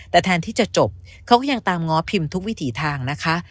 แต่แทนที่จะจบเขาก็ยังตามง้อพิมพ์ทุกวิถีทางนะคะ